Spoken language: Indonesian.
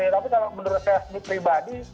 tapi kalau menurut saya pribadi